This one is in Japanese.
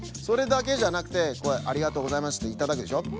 それだけじゃなくて「ありがとうございます」っていただくでしょ？